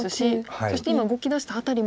そして今動きだした辺りも。